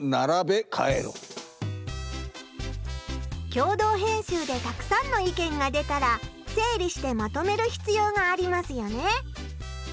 共同編集でたくさんの意見が出たら整理してまとめるひつようがありますよね。